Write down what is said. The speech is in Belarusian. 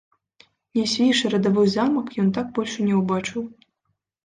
Нясвіж і радавы замак ён так больш і не ўбачыў.